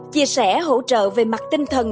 chia sẻ hỗ trợ về mặt tinh thần